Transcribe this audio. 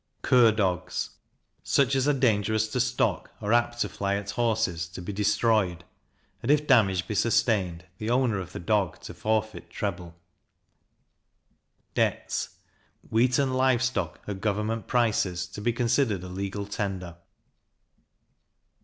Cur Dogs. Such as are dangerous to stock, or apt to fly at horses, to be destroyed; and if damage be sustained, the owner of the dog to forfeit treble. Debts. Wheat and live stock, at government prices, to be considered a legal tender.